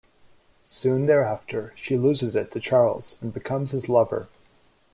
Soon thereafter, she loses it to Charles and becomes his lover.